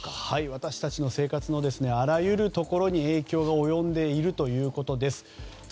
私たちの生活のあらゆるところに影響が及んでいるということです。